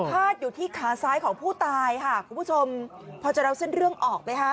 พาดอยู่ที่ขาซ้ายของผู้ตายค่ะคุณผู้ชมพอจะเล่าเส้นเรื่องออกไหมคะ